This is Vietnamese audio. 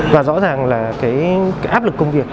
và rõ ràng là cái áp lực công việc